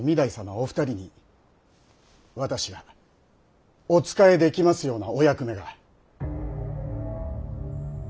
お二人に私がお仕えできますようなお役目が。